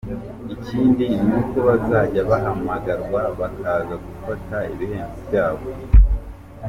Ikindi ni uko bazajya bahamagarwa bakaza gufata ibihembo byabo.